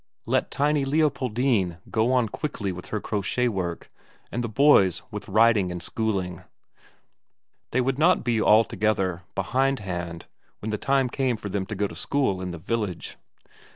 Let tiny Leopoldine go on quickly with her crochet work, and the boys with writing and schooling; they would not be altogether behindhand when the time came for them to go to school in the village.